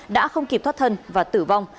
đã không kịp thoát thân và tử vong